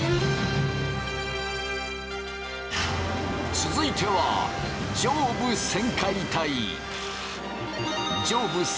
続いては上部旋回体！